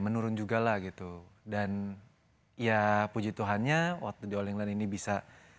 menurun juga lah gitu dan ya puji tuhannya waktu di all england ini bisa